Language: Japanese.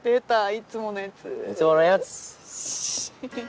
いつものやつ。